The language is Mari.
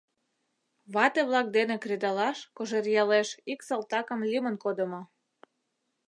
— Вате-влак дене кредалаш Кожеръялеш ик салтакым лӱмын кодымо.